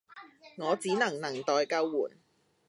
我只能能待救援